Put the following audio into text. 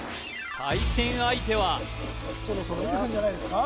対戦相手はそろそろ出てくんじゃないですか？